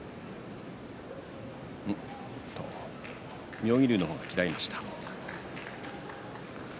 妙義龍の方が嫌いました。